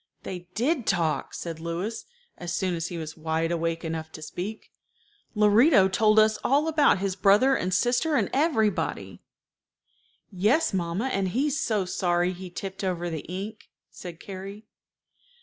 "They did talk," said Louis, as soon as he was wide awake enough to speak. "Lorito told us all about his brother and sister and everybody." "Yes, mamma, and he's so sorry he tipped over the ink," said Carrie.